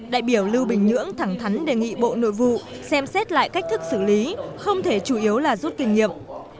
đại biểu lưu bình nhưỡng thẳng thắn đề nghị bộ nội vụ xem xét lại cách thức xử lý không thể chủ yếu là rút kinh nghiệm